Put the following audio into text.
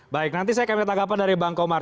baik nanti saya akan mengetahui apa dari bang komar